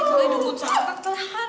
sekarang ibu contoh perlahan